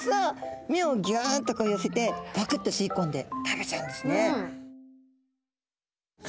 目をギュンとこう寄せてパクって吸い込んで食べちゃうんですね。